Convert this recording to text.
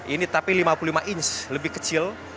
ini tapi lima puluh lima inch lebih kecil